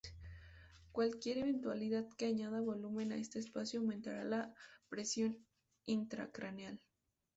Cualquier eventualidad que añada volumen a este espacio aumentará la presión intracraneal.